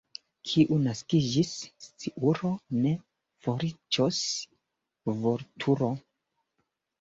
Kiu naskiĝis sciuro, ne fariĝos vulturo.